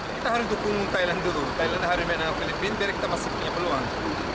kita harus dukung thailand dulu thailand harus menang filipina biar kita masih punya peluang